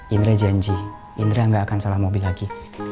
indra janji indra gak akan salah mobil lagi